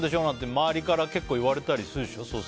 なんて周りから結構言われたりするでしょ？